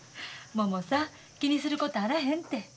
ももさん気にすることあらへんて。